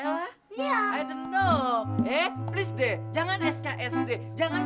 lalu sekali kau